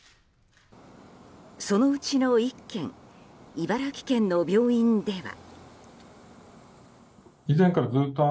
そのうちの１県茨城県の病院では。